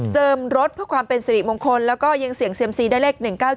รถเพื่อความเป็นสิริมงคลแล้วก็ยังเสี่ยงเซียมซีได้เลข๑๙๗